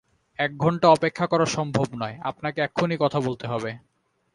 এক ঘন্টা অপেক্ষা করা সম্ভব নয়, আপনাকে এক্ষুণি কথা বলতে হবে।